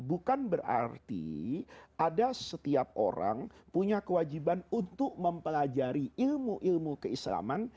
bukan berarti ada setiap orang punya kewajiban untuk mempelajari ilmu ilmu keislaman